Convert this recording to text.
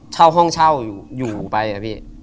เช่าห้องเช่าอยู่ไปอะพี่